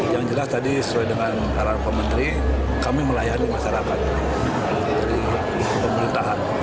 yang jelas tadi sesuai dengan arah pementeri kami melayani masyarakat dari pemerintahan